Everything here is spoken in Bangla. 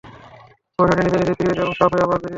বর্শাটি নিজে নিজেই ফিরে যায় এবং সাপ হয়ে আবার বেরিয়ে আসে।